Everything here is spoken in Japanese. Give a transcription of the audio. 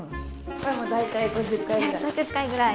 これも大体５０回ぐらい。